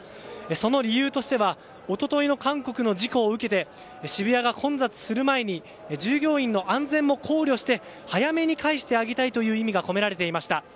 その理由としては一昨日の韓国の事故を受けて渋谷が混雑する前に従業員の安全も考慮して早めに帰してあげたいという意味が込められていました。